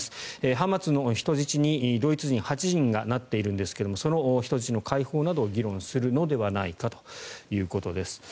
ハマスの人質に、ドイツ人８人がなっているんですがその人質の解放などを議論するのではないかということです。